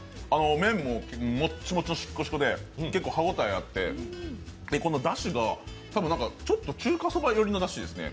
麺もモッチモチのしっこしこで、結構歯応えあって、このだしが多分、ちょっと中華そば寄りのだしですね。